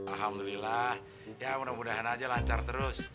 alhamdulillah ya mudah mudahan aja lancar terus